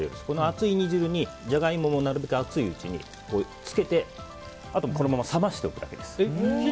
この熱い煮汁にジャガイモがなるべく熱いうちにつけて、あとはこのまま冷ましておくだけです。